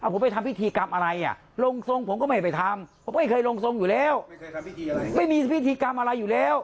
ผมไปทำพิธีกรรมอะไรอ่ะลงทรงผมก็ไม่ไปทำผมไม่เคยลงทรงอยู่แล้วไม่มีพิธีกรรมอะไรอยู่แล้ว